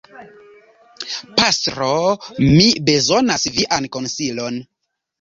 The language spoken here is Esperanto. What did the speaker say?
Pastro, mi bezonas vian konsilon.